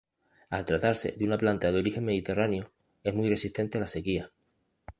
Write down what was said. Al tratarse de una planta de origen mediterráneo, es muy resistente a la sequía.